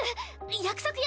約束よ